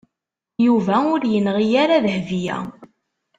Yuba ur yenɣi ara Dahbiya.